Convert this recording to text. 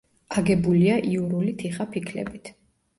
აგებულია იურული თიხაფიქლებით.